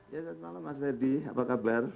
selamat malam mas merdi apa kabar